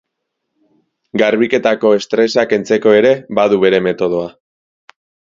Garbiketako estresa kentzeko ere, badu bere metodoa.